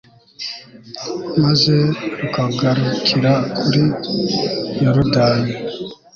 maze rukagarukira kuri yorudani